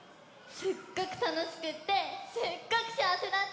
すっごくたのしくってすっごくしあわせだったよ！